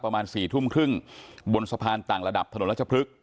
ประมาณสี่ทุ่มครึ่งบนสะพานต่างระดับถนนรัชพฤกษ